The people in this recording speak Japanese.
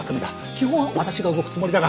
基本は私が動くつもりだが。